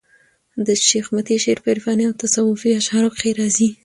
د شېخ متي شعر په عرفاني او تصوفي اشعارو کښي راځي.